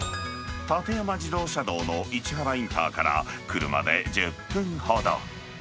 館山自動車道の市原インターから車で１０分ほど。